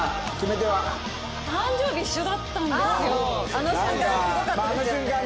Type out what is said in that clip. あの瞬間すごかったですよね。